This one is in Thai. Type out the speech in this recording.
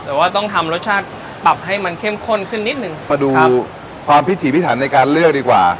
แต่ว่าต้องทำรสชาติปรับให้มันเข้มข้นขึ้นนิดหนึ่งมาดูความพิถีพิถันในการเลือกดีกว่า